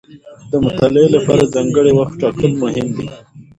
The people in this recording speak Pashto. د مطالعې لپاره ځانګړی وخت ټاکل مهم دي.